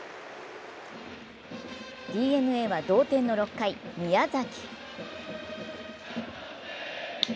ＤｅＮＡは同点の６回、宮崎。